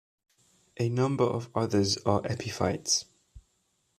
A number of others are epiphytes.